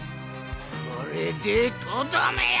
これでとどめや！